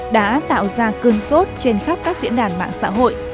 đã tạo ra cương sốt trên khắp các diễn đàn mạng xã hội